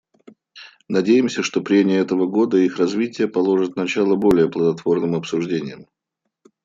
Надеемся, что прения этого года и их развитие положат начало более плодотворным обсуждениям.